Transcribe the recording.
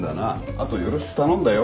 あとよろしく頼んだよ。